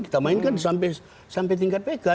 kita mainkan sampai tingkat pk